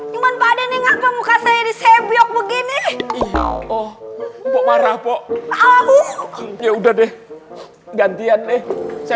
cuma pada nih ngakau muka saya di sebiok begini oh bok marah pokok ya udah deh gantian nih saya